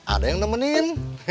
ada yang nemenin